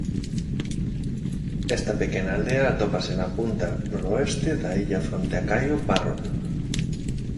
Esta pequena aldea atópase na punta noroeste da illa fronte a Caio Parrot.